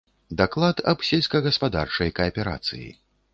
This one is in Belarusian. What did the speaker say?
Даклад аб сельскагаспадарчай кааперацыі.